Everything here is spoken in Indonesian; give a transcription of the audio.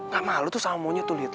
gak malu tuh sama monyet tuh liatin tuh